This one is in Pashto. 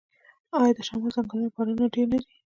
آیا د شمال ځنګلونه او بارانونه ډیر نه دي؟